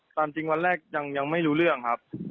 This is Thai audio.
ความจริงวันแรกยังไม่รู้เรื่องครับ